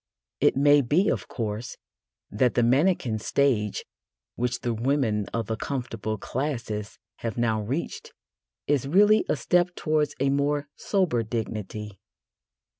It may be, of course, that the mannequin stage which the women of the comfortable classes have now reached is really a step towards a more sober dignity.